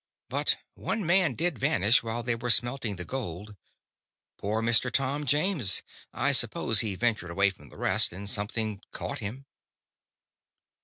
But one man did vanish while they were smelting the gold. Poor Mr. Tom James. I suppose he ventured away from the rest, and something caught him."